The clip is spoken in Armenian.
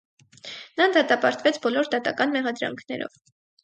Նա դատապարտվեց բոլոր դատական մեղադրանքներով։